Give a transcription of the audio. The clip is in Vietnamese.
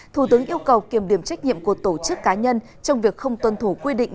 thủ tướng yêu cầu kiềm điểm trách nhiệm của tổ chức cá nhân trong việc không tuân thủ quy định